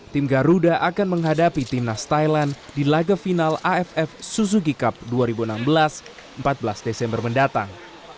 tim garuda akan menghadapi timnas thailand di laga final aff suzuki cup dua ribu enam belas empat belas desember mendatang